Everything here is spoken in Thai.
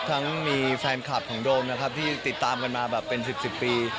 ทั้งมีแฟนคลับของโดมนะครับที่ติดตามกันมาแบบเป็น๑๐ปี